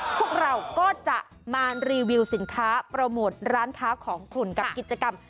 พวกเราก็จะมารีวิวสินค้าโปรโมทร้านค้าของคุณกับกิจกรรม